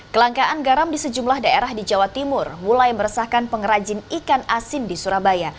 kelangkaan garam di sejumlah daerah di jawa timur mulai meresahkan pengrajin ikan asin di surabaya